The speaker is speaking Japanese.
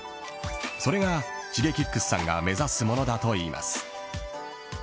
それがＳｈｉｇｅｋｉｘさんが目指すものだといいます。